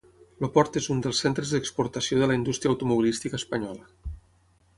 El port és un dels centres d'exportació de la indústria automobilística espanyola.